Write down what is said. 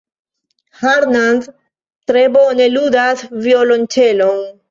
Armand tre bone ludas violonĉelon.